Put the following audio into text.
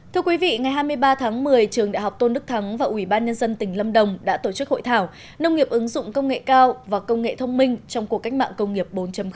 thưa quý vị ngày hai mươi ba tháng một mươi trường đại học tôn đức thắng và ủy ban nhân dân tỉnh lâm đồng đã tổ chức hội thảo nông nghiệp ứng dụng công nghệ cao và công nghệ thông minh trong cuộc cách mạng công nghiệp bốn